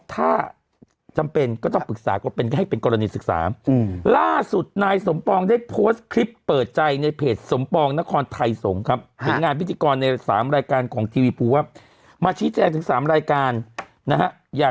ถ้าจำเป็นก็ต้องปรึกษาก็ให้เป็นกรณีศึกษา